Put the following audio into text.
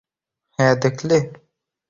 হ্যাঁ, দেখলে?